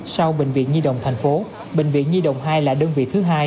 sau bệnh viện nhi động thành phố bệnh viện nhi động hai là đơn vị thứ hai